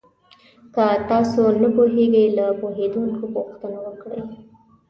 که تاسو نه پوهېږئ، له پوهېدونکو پوښتنه وکړئ.